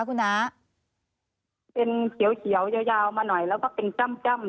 คุณน้าเป็นเขียวเขียวยาวมาหน่อยแล้วก็เป็นจ้ำ